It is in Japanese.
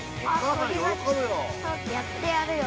◆やってやるよ！